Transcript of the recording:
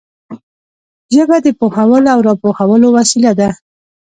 ژبه د پوهولو او را پوهولو وسیله ده